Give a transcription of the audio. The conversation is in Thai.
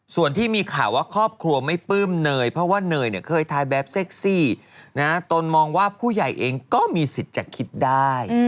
ส่วนที่มีข่าวว่าครอบครัวไม่ปลื้มเนยเพราะว่าเนยเนี่ยเคยทายแบบเซ็กซี่ตนมองว่าผู้ใหญ่เองก็มีสิทธิ์จะคิดได้